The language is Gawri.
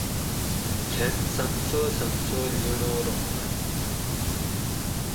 کھۤن سمسو سمسو لِنڑور ہوانت